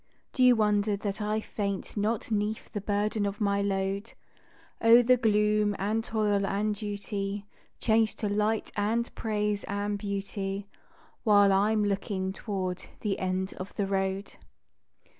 Do you wonder that I faint not 'neath the burden of my load? O, the gloom and toil and duty Change to light and praise and beauty While I'm looking toward the end of the road.